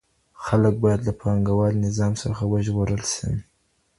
خلګ بايد له پانګوال نظام څخه وژغورل سي.